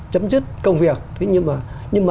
chấm dứt công việc thế nhưng mà